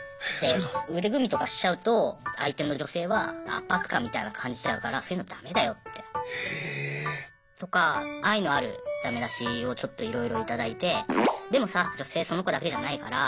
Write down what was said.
腕組みとかしちゃうと相手の女性は圧迫感みたいの感じちゃうからそういうのダメだよって。とか愛のあるダメ出しをちょっといろいろ頂いてでもさ女性その子だけじゃないから次だよ